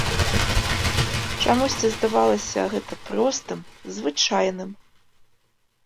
Чамусьці здавалася гэта простым, звычайным.